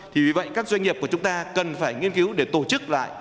thì vì vậy các doanh nghiệp của chúng ta cần phải nghiên cứu để tổ chức lại